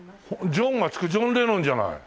ジョンがつくジョン・レノンじゃない。